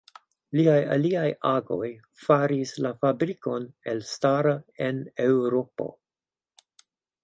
Liaj aliaj agoj faris la fabrikon elstara en Eŭropo.